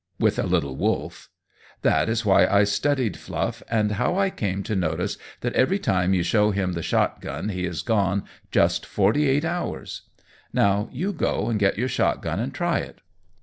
With a little wolf. That is why I studied Fluff, and how I came to notice that every time you show him the shotgun he is gone just forty eight hours. Now, you go and get your shotgun and try it."